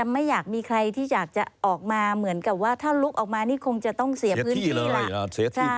ไม่อยากมีใครที่อยากจะออกมาเหมือนกับว่าถ้าลุกออกมานี่คงจะต้องเสียพื้นที่แหละ